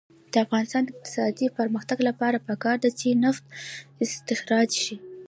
د افغانستان د اقتصادي پرمختګ لپاره پکار ده چې نفت استخراج شي.